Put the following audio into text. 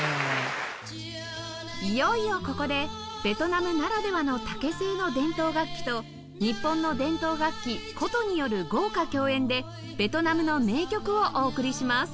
いよいよここでベトナムならではの竹製の伝統楽器と日本の伝統楽器箏による豪華共演でベトナムの名曲をお送りします